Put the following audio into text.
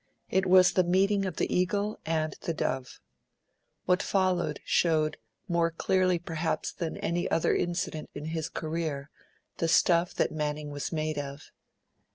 It was the meeting of the eagle and the dove. What followed showed, more clearly perhaps than any other incident in his career, the stuff that Manning was made of.